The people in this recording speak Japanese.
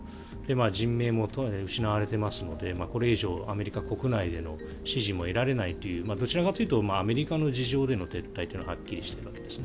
人命も失われてますのでこれ以上アメリカ国内への支持も得られないというどちらかというとアメリカの事情での撤退というのははっきりしているわけですね。